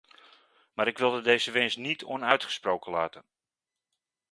Maar ik wilde deze wens niet onuitgesproken laten.